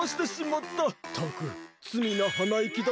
ったくつみなはないきだぜ。